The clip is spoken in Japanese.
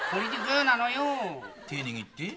手ぇ握って？